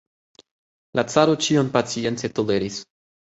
La caro ĉion pacience toleris.